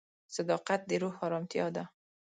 صداقت د روح ارامتیا ده.